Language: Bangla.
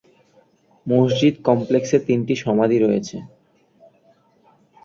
মসজিদ কমপ্লেক্সে তিনটি সমাধি রয়েছে।